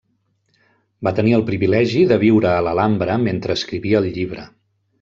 Va tenir el privilegi de viure a l'Alhambra mentre escrivia el llibre.